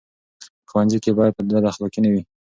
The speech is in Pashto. په ښوونځي کې باید بد اخلاقي نه وي.